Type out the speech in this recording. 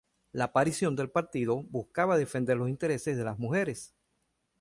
La aparición del partido buscaba defender los intereses de las mujeres.